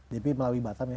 jadi melalui batam ya